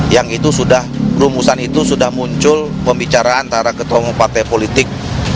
yang itu sudah rumusan itu sudah muncul pembicaraan antara ketua umum partai politik